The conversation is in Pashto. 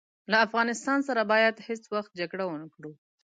له افغانستان سره باید هیڅ وخت جګړه ونه کړو.